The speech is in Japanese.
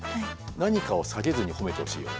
何かを下げずに褒めてほしいよね。